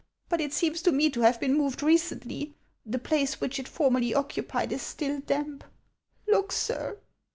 But it seems to me to have been moved recently ; the place which it formerly occupied is still damp. Look, sir."